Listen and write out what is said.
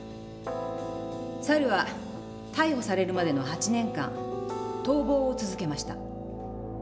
猿は逮捕されるまでの８年間逃亡を続けました。